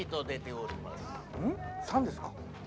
三ですか？